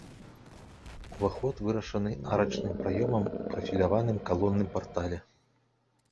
Уваход вырашаны арачным праёмам у прафіляваным калонным партале.